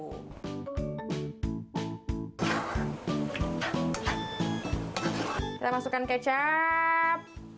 kita masukkan kecap